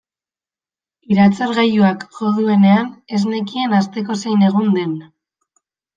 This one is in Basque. Iratzargailuak jo duenean ez nekien asteko zein egun den.